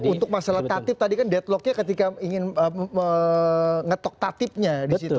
untuk masalah tatip tadi kan deadlocknya ketika ingin mengetok tatipnya disitu